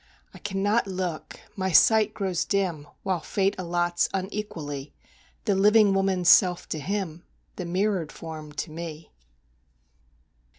I cannot look my sight grows dim While Fate allots, unequally, The living woman's self to him, The mirrored form to me.